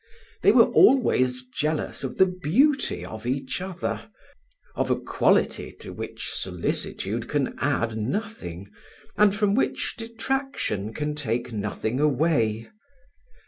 They were always jealous of the beauty of each other, of a quality to which solicitude can add nothing, and from which detraction can take nothing away.